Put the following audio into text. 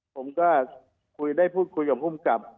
ผมก็ได้พูดคุยกับภูมิกับ